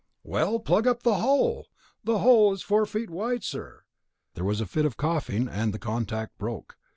"Well, plug up the hole!" "The hole's four feet wide, sir!" There was a fit of coughing and the contact broke.